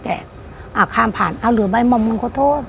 อ้ะข้ามผ่านเอาเหลือใบมอบก